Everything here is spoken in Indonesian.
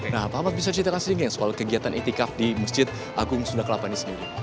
nah pak ahmad bisa ceritakan sedikit soal kegiatan itikaf di masjid agung sunda kelapa ini sendiri